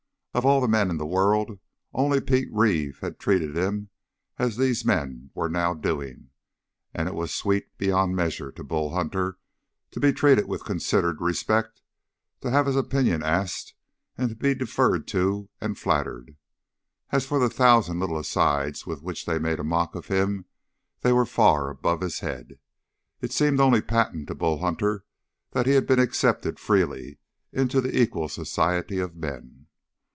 Of all the men in the world, only Pete Reeve had treated him as these men were now doing, and it was sweet beyond measure to Bull Hunter to be treated with considerate respect, to have his opinion asked, to be deferred to and flattered. As for the thousand little asides with which they made a mock of him, they were far above his head. It seemed only patent to Bull Hunter that he had been accepted freely into the equal society of men.